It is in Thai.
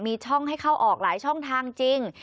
มีช่องให้เข้าออกหลายช่องทางจริง